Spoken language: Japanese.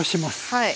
はい。